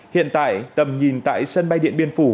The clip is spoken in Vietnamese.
hiện tại tầm nhìn tại sân bay điện biên phủ